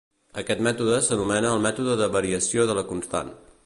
Aquest mètode s'anomena el mètode de variació de la constant.